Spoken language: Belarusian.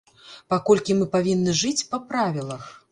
Паколькі мы павінны жыць па правілах.